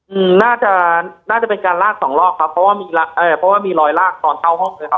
อืมน่าจะน่าจะเป็นการลากสองรอบครับเพราะว่ามีเอ่อเพราะว่ามีรอยลากตอนเข้าห้องด้วยครับ